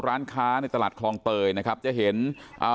ร้านค้าในตลาดคลองเตยนะครับจะเห็นอ่า